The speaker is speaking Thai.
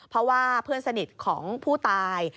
เพราะว่าเพื่อนสนิทของผู้ตาย